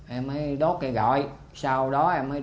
em mới đốt cây gọi sau đó em mới